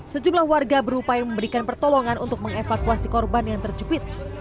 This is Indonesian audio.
sejumlah warga berupaya memberikan pertolongan untuk mengevakuasi korban yang terjepit